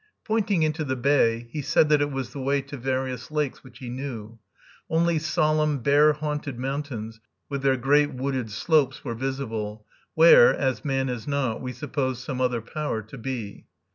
Pointing into the bay, he said that it was the way to various lakes which he knew. Only solemn bear haunted mountains, with their great wooded slopes, were visible; where, as man is not, we suppose some other power to be.